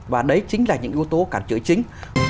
và đấy chính là những yếu tố cản trở chính